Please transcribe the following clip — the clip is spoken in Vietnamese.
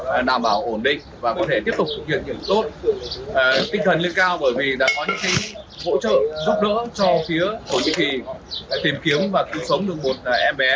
đã đảm bảo ổn định và có thể tiếp tục thực hiện những tốt tinh thần lên cao bởi vì đã có những hỗ trợ giúp đỡ cho phía thổ nhĩ kỳ